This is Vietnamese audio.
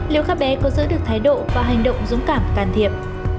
liệu các bé có giữ được thái độ và hành động dũng cảm can thiệp